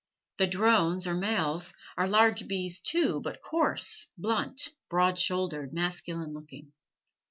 The drones or males, are large bees too, but coarse, blunt, broad shouldered, masculine looking.